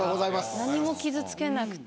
何も傷つけなくて。